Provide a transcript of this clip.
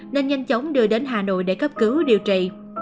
nên nhanh chóng đưa đến hà nội để cấp cứu điều trị